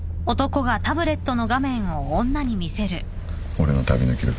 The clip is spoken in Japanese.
俺の旅の記録。